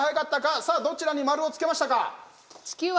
さあ、どちらに丸をつけましたか。